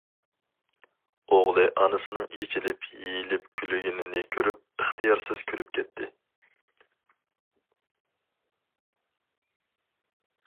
ئوغلى ئانىسىنىڭ ئېچىلىپ-يېيىلىپ كۈلگىنىنى كۆرۈپ، ئىختىيارسىز كۈلۈپ كەتتى.